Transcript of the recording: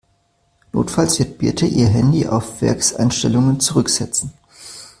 Notfalls wird Birte ihr Handy auf Werkseinstellungen zurücksetzen.